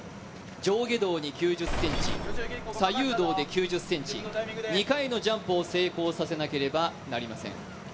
上下動に９０ｃｍ、左右動で９０ｃｍ、２回のジャンプを成功させなければなりません。